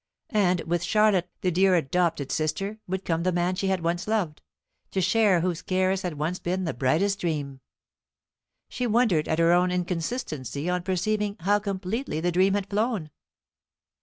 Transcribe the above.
And with Charlotte, the dear adopted sister, would come the man she had once loved, to share whose cares had once been the brightest dream. She wondered at her own inconstancy on perceiving how completely the dream had flown.